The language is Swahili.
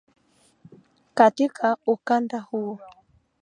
Katika ukanda huo